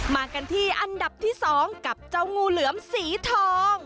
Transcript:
มากันที่อันดับที่๒กับเจ้างูเหลือมสีทอง